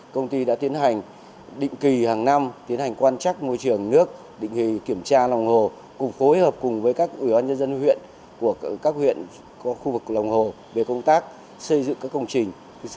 công ty đã tiến hành định kỳ hàng năm tiến hành quan trắc môi trường nước định hình kiểm tra lòng hồ cùng phối hợp cùng với các ủy ban nhân dân huyện của các huyện có khu vực lòng hồ về công tác xây dựng các công trình